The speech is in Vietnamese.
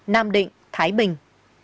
nam định thái bình